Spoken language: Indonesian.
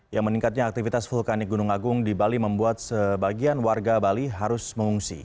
yang meningkatnya aktivitas vulkanik gunung agung di bali membuat sebagian warga bali harus mengungsi